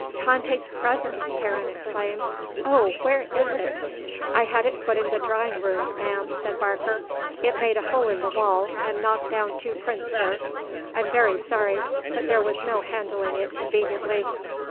"Tante's present!" Karen exclaimed. "Oh, where is it?" "I had it put in the drawing room, Ma'am," said Barker. "It made a hole in the wall and knocked down two prints, sir; I'm very sorry, but there was no handling it conveniently."